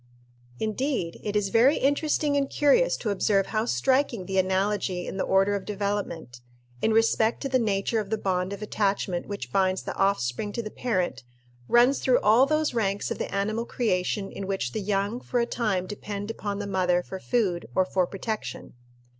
Indeed, it is very interesting and curious to observe how striking the analogy in the order of development, in respect to the nature of the bond of attachment which binds the offspring to the parent, runs through all those ranks of the animal creation in which the young for a time depend upon the mother for food or for protection.